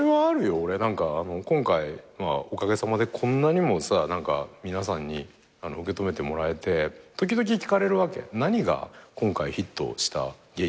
俺何か今回おかげさまでこんなにもさ皆さんに受け止めてもらえて時々聞かれるわけ「何が今回ヒットした原因だと思います？」